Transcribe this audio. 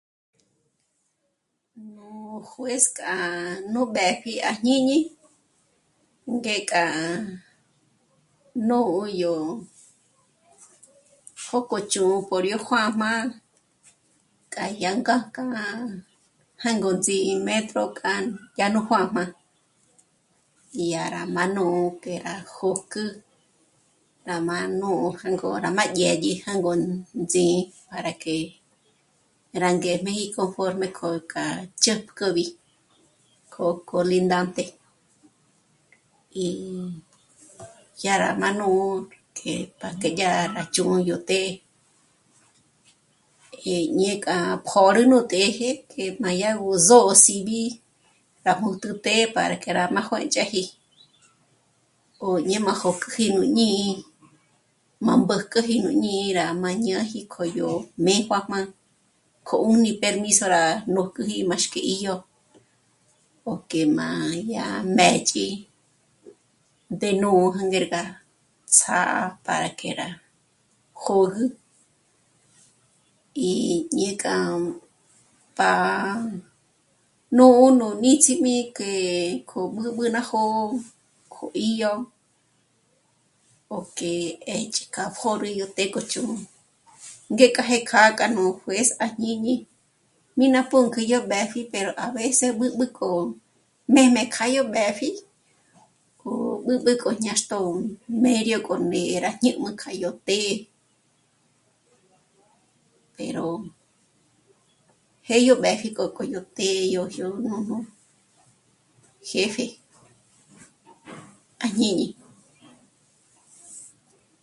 Nú juez k'a nú mbë́pji à jñíñi ngék'a nô'o yó jók'ò chjū́'ū k'o yó juā́jmā, k'a yá ngájk'a jângo ts'ímétro k'a yá nú juā́jmā, dyá rá má'a nù'u ngé rá jôk'ü, rá má nô'o jângo rá dyë̌dyi jângo nú ts'í'i para que rá ngéjm'eji conforme k'a chjä̂jk'übi k'o colindante í jyá rá má nù'u k'e pa que dyá rá chjū́'ū yó të́'ë. Eh, ñék'a pjôrü nú të́jë k'e má dyá gó zó'o sibi rá mùjtju të́'ë para que rá juë̌nch'eji o dyé má jók'oji nú jñí'i má mbójküjü nú jñí'i rá má ñáji k'o yó mí juā́jmā k'o 'ùni permiso nà nójküji míxk'i 'ídyo o k'e má yá mběch'i ndé nú jângerga ts'á'a para que rá jôgü í ñék'a pá'a nǔ'u nú níts'im'i k'e k'o b'ǚb'ü ná jó'o kjo 'í'o o k'e 'ë́che kja pjôrü yó të́'ë k'o chjū́'ū. Ngék'a jë́'ë kjâ'a k'a nú juez à jñíñi, mí ná pǔnk'ü yó b'ë́pji pero a veces b'ǚb'ü k'o m'ḗ'm'ē kja yó b'ë́pji o b'ǚb'ü k'o ñáxtjo ó mério k'o mê'e rá ñǘjm'ü k'â'a yó të́'ë, pero jë́'ë yó b'ë́pji k'o yó të́'ë o jiùjm'ü nú jefe à jñíñi